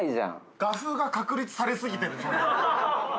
画風が確立されすぎてる。